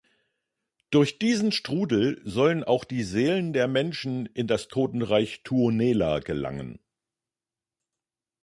Durch diesen Strudel sollen auch die Seelen der Menschen in das Totenreich "Tuonela" gelangen.